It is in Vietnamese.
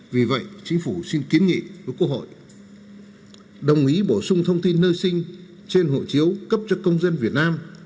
vì vậy chính phủ xin kiến nghị với quốc hội đồng ý bổ sung thông tin nơi sinh trên hộ chiếu cấp cho công dân việt nam